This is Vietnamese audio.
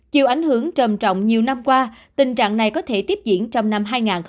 chiều ảnh hưởng trầm trọng nhiều năm qua tình trạng này có thể tiếp diễn trong năm hai nghìn hai mươi bốn